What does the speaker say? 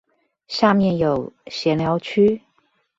下面有閒聊區